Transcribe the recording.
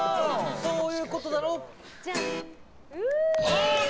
そういうことだろ。